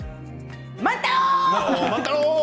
万太郎？